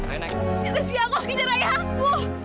rizky aku harus kejar ayah aku